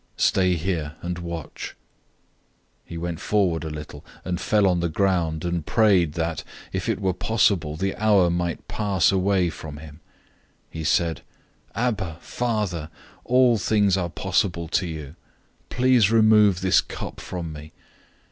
Stay here, and watch." 014:035 He went forward a little, and fell on the ground, and prayed that, if it were possible, the hour might pass away from him. 014:036 He said, "Abba, Father, all things are possible to you. Please remove this cup from me.